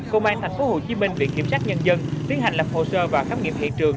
công an tp hcm viện kiểm sát nhân dân tiến hành lập hồ sơ và khám nghiệm hiện trường